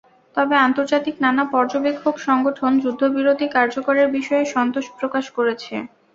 তবে আন্তর্জাতিক নানা পর্যবেক্ষক সংগঠন যুদ্ধবিরতি কার্যকরের বিষয়ে সন্তোষ প্রকাশ করেছে।